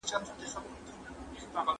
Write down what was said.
د نویو شیانو زده کول مه پریږدئ.